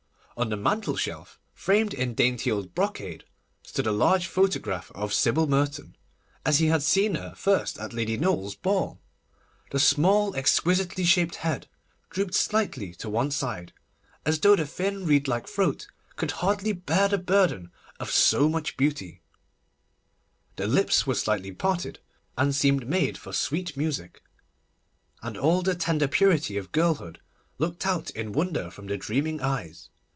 On the mantel shelf, framed in dainty old brocade, stood a large photograph of Sybil Merton, as he had seen her first at Lady Noel's ball. The small, exquisitely shaped head drooped slightly to one side, as though the thin, reed like throat could hardly bear the burden of so much beauty; the lips were slightly parted, and seemed made for sweet music; and all the tender purity of girlhood looked out in wonder from the dreaming eyes.